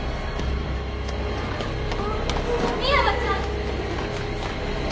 深山ちゃん！